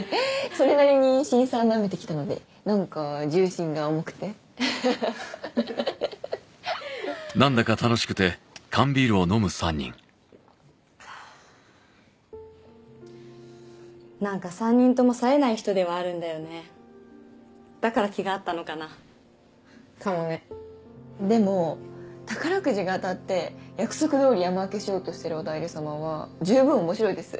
それなりに辛酸なめてきたのでなんか重心が重くてははははっなんか３人共さえない人ではあるんだよねだから気が合ったのかなかもねでも宝くじが当たって約束どおり山分けしようとしてるおだいり様は十分面白いです